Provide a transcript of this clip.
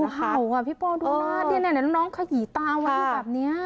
ดูข่าวอ่ะพี่ปอล์ดูหน้าที่เนี้ยเนี้ยน้องน้องขยีตาวันนี้แบบเนี้ย